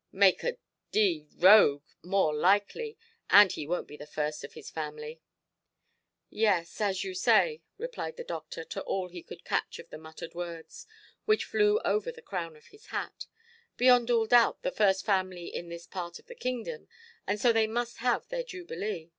"Make a d—d rogue more likely. And he wonʼt be the first of his family". "Yes, as you say", replied the doctor to all he could catch of the muttered words, which flew over the crown of his hat, "beyond all doubt the first family in this part of the kingdom, and so they must have their jubilee.